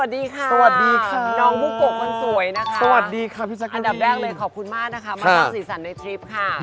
มักพอกดูสีสันในแบบนี้ล่ะครับ